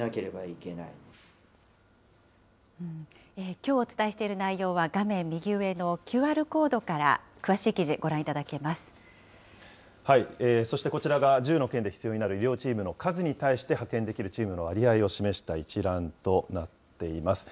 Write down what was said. きょうお伝えしている内容は、画面右上のＱＲコードから、詳しい記事、そしてこちらが、１０の県で必要になる医療チームの数に対して、派遣できるチームの割合を示した一覧となっています。